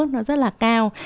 nó rất là cao